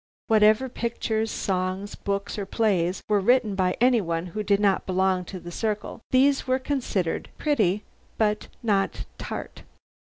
Whatever pictures, songs, books or plays were written by anyone who did not belong to "The Circle," these were considered "pretty, but not Tart!"